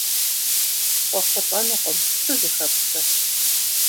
КъыуэхъулӀэнукъым, сызэхэпхрэ?